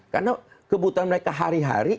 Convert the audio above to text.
karena kebutuhan mereka hari hari